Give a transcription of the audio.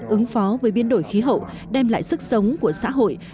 ứng phó với biến đổi khí hậu đem lại sức sống của xã hội